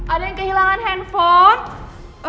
ada yang kehilangan handphone